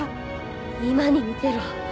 今に見てろ。